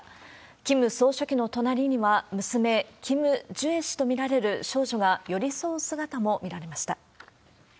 キム総書記の隣には、娘、キム・ジュエ氏と見られる少女が寄り添う姿も見られました。